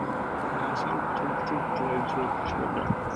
Marshall Township eventually agreed to allow the toll plaza be built.